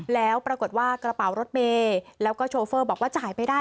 แล้วปรากฏว่ากระเป๋ารถเมย์แล้วก็โชเฟอร์บอกว่าจ่ายไม่ได้